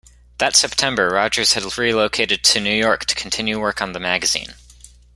That September, Rogers had relocated to New York to continue work on the magazine.